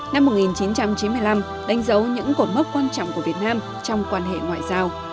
năm một nghìn chín trăm chín mươi năm đánh dấu những cột mốc quan trọng của việt nam trong quan hệ ngoại giao